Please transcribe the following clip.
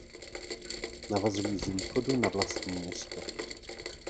Navazují z východu na vlastní město.